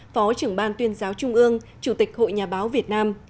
phó trưởng ban tuyên giáo trung ương chủ tịch hội nhà báo việt nam